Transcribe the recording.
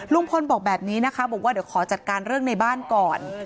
ลุงพลบอกแบบนี้นะคะบอกว่าเดี๋ยวขอจัดการเรื่องในบ้านก่อน